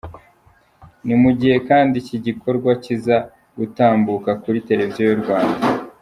Ni mu gihe kandi iki gikorwa kiza gutambuka kuri Televiziyo y’u Rwanda.